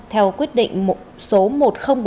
theo quyết định số một nghìn bốn mươi chín